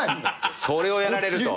それをやられると。